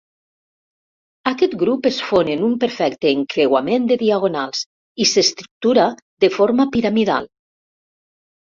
Aquest grup es fon en un perfecte encreuament de diagonals i s'estructura de forma piramidal.